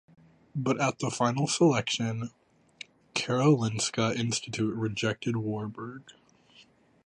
But at the final selection, Karolinska Institute rejected Warburg.